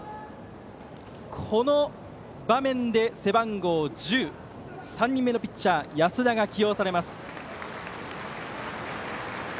この場面で背番号１０３人目のピッチャー安田が起用されます。